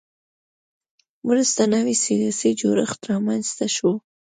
وروسته نوی سیاسي جوړښت رامنځته شو